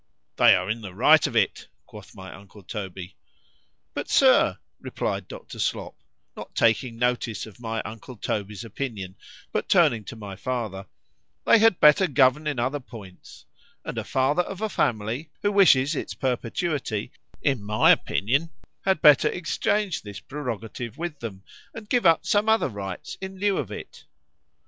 They are in the right of it,——quoth my uncle Toby. But Sir, replied Dr. Slop, not taking notice of my uncle Toby's opinion, but turning to my father,—they had better govern in other points;——and a father of a family, who wishes its perpetuity, in my opinion, had better exchange this prerogative with them, and give up some other rights in lieu of it.